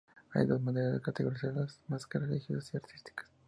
Hay dos maneras a categorizar a las máscaras: religiosas y artísticas.